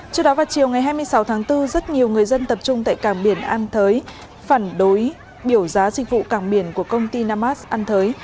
trước đó vào chiều ngày hai mươi sáu tháng bốn rất nhiều người dân tập trung tại càng biển an thới phản đối biểu giá sinh vụ càng biển của công ty namas an thới